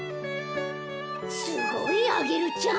すごいアゲルちゃん！